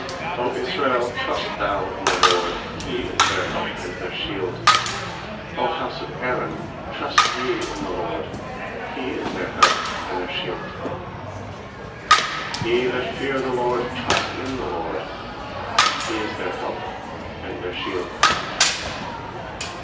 90 Israel, trust thou in the LORD! He is their help and their shield! 100 house of Aaron, trust ye in the LORD! He is their help and their shield! nYe that fear the LORD, trust in the LORD! He is their help and their shield.